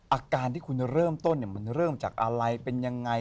อาการที่คุณเริ่มต้นมันเริ่มจากอะไรเป็นยังไง